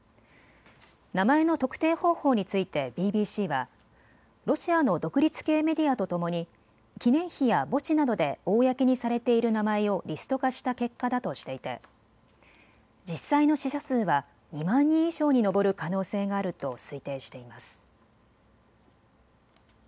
名前の特定方法についてＢＢＣはロシアの独立系メディアとともに記念碑や墓地などで公にされている名前をリスト化した結果だとしていて実際の死者数は２万人以上に上る可能性があると推定しています。